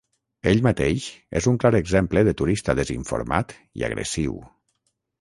Ell mateix és un clar exemple de turista desinformat i agressiu.